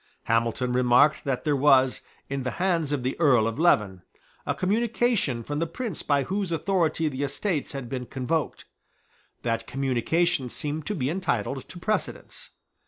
Hamilton remarked that there was, in the hands of the Earl of Leven, a communication from the Prince by whose authority the Estates had been convoked. That communication seemed to be entitled to precedence.